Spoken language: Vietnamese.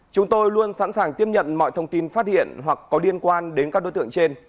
chúng tôi luôn sẵn sàng tiếp nhận mọi thông tin phát hiện hoặc có liên quan đến các đối tượng trên